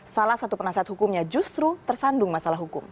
salah satu penasihat hukumnya justru tersandung masalah hukum